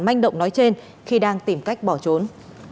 manh động nói trên khi đang tìm cách bỏ trốn